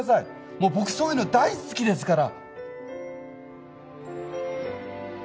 もう僕そういうの大好きですから！